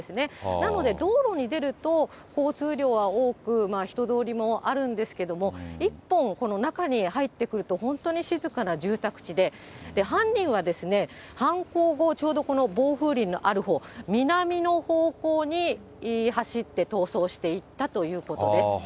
なので、道路に出ると、交通量は多く人通りもあるんですけれども、一本この中に入ってくると、本当に静かな住宅地で、犯人は犯行後、ちょうどこの防風林のあるほう、南の方向に走って逃走していったということです。